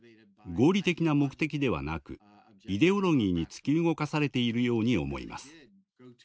合理的な目的ではなくイデオロギーに突き動かされているように思います。